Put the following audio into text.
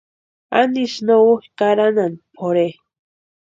¿Antisï no úkʼi karanhani pʼorhe?